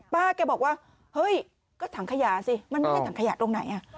ป้าแกบอกว่าเฮ้ยก็ถังขยะสิมันไม่ใช่ถังขยะตรงไหน